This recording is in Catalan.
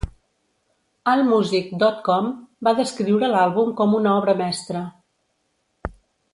allmusic dot com va descriure l'àlbum com una obra mestra.